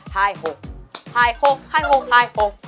ไฮโหไฮโหไฮโหไฮโห